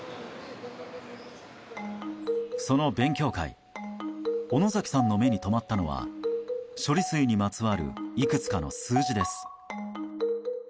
その勉強会小野崎さんの目に留まったのは処理水にまつわるいくつかの数字です。